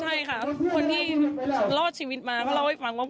ใช่ค่ะคนที่รอดชีวิตมาก็เล่าให้ฟังว่า